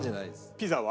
ピザは？